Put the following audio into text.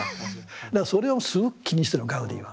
だからそれをすごく気にしてたのガウディは。